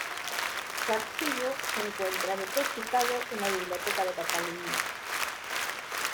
Su archivo se encuentra depositado en la Biblioteca de Cataluña.